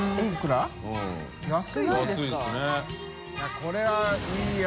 いこれはいいよ。